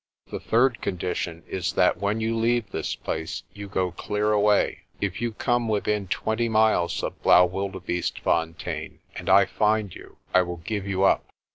The third condition is that when you leave this place you go clear away. If you come within twenty miles of Blaau wildebeestefontein and I find you, I will give you up."